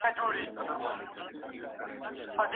موږ له ډاره ماڼۍ نه ده ړنګه کړې.